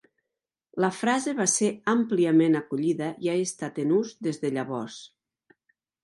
La frase va ser àmpliament acollida i ha estat en ús des de llavors.